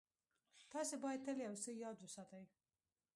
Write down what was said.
تاسې بايد تل يو څه ياد وساتئ.